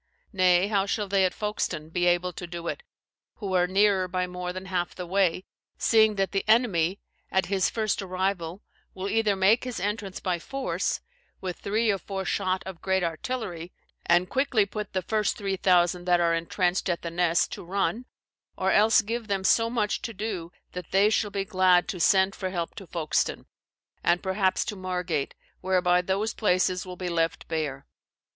Nay, how shall they at Foulkstone be able to do it, who are nearer by more than half the way? seeing that the enemy, at his first arrival, will either make his entrance by force, with three or four shot of great artillery, and quickly put the first three thousand that are entrenched at the Nesse to run, or else give them so much to do that they shall be glad to send for help to Foulkstone, and perhaps to Margat, whereby those places will be left bare.